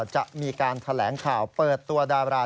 จะมีการแถลงข่าวเปิดตัวดารา